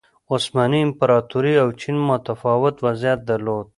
عثماني امپراتورۍ او چین متفاوت وضعیت درلود.